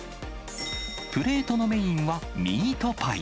プレートのメインはミートパイ。